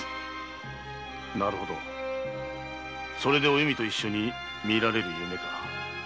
なるほどそれでお弓と一緒に見られる夢か。